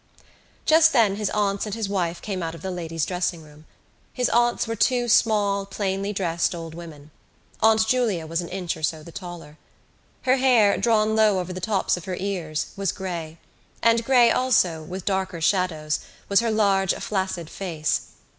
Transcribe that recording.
Just then his aunts and his wife came out of the ladies' dressing room. His aunts were two small plainly dressed old women. Aunt Julia was an inch or so the taller. Her hair, drawn low over the tops of her ears, was grey; and grey also, with darker shadows, was her large flaccid face.